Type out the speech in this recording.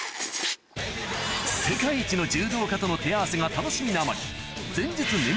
世界一の柔道家との手合わせが楽しみな